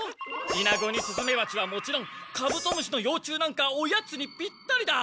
イナゴにスズメバチはもちろんカブトムシの幼虫なんかおやつにぴったりだ！